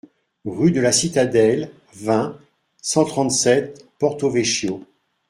Rue De La Citadelle, vingt, cent trente-sept Porto-Vecchio